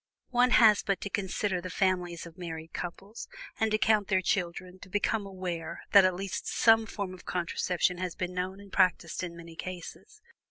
One has but to consider the families of married couples, and to count their children, to become aware that at least some form of contraception has been known and practiced in many cases.